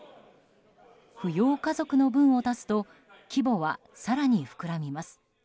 扶養家族の分を足すと規模は更に膨らみます。